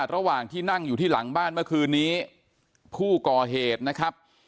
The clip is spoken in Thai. ระหว่างที่นั่งอยู่ที่หลังบ้านเมื่อคืนนี้ผู้ก่อเหตุนะครับ